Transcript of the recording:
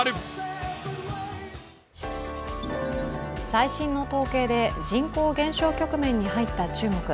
最新の統計で人口減少局面に入った中国。